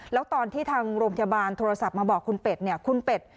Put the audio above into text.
แล้วตอนที่ทางโรงพยาบาลโทรศัพท์มาบอกคุณเป็ด